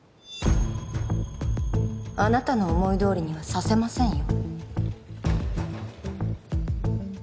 あなたの思いどおりにはさせませんよ